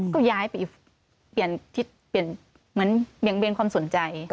ก็ย้ายไปเปลี่ยนทิศเปลี่ยนเหมือนเบี่ยงเบียนความสนใจ